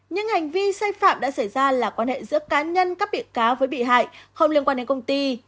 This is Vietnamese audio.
những hành vi sai phạm đã xảy ra là quan hệ giữa cá nhân các bị cáo với bị hại không liên quan đến công ty